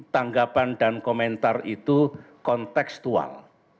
tanggapan dan komentar itu kontekstual